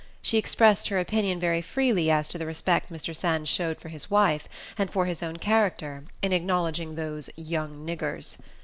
She expressed her opinion very freely as to the respect Mr. Sands showed for his wife, and for his own character, in acknowledging those "young niggers."